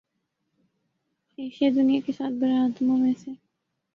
Asia دنیا کے سات براعظموں میں سے